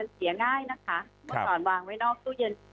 เสียง่ายนะคะห้ะมันก็ตอนวางไว้นอกตู้เย็น